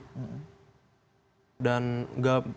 dan nggak bisa dianggap seperti apa apa